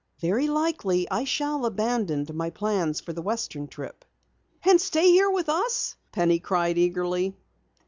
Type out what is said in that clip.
Very likely I shall abandon my plans for the western trip." "And stay here with us?" Penny cried eagerly.